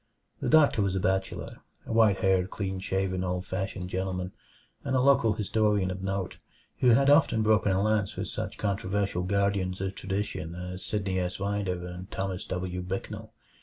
The doctor was a bachelor; a white haired, clean shaven, old fashioned gentleman, and a local historian of note, who had often broken a lance with such controversial guardians of tradition as Sidney S. Rider and Thomas W. Bicknell.